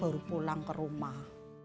baru pulang ke rumah